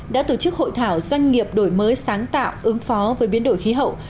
đã tổ chức hội thảo doanh nghiệp đổi mới sáng tạo ứng phó với biến đổi khí hậu